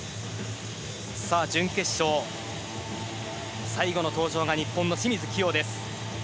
準決勝、最後の登場が日本の清水希容です。